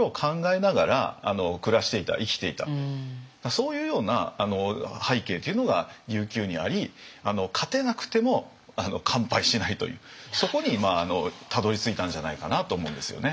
そういうような背景というのが琉球にあり勝てなくても完敗しないというそこにたどりついたんじゃないかなと思うんですよね。